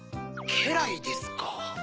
けらいですか。